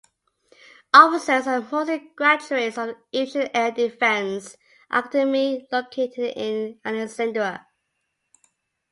Officers are mostly graduates of the Egyptian Air Defense Academy, located in Alexandria.